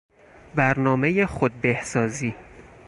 برنامهی خود بهسازی